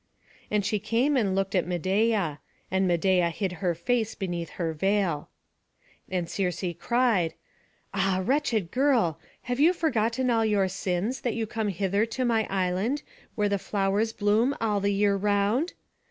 And she came and looked at Medeia; and Medeia hid her face beneath her veil. And Circe cried, "Ah, wretched girl, have you forgotten all your sins, that you come hither to my island, where the flowers bloom all the year round?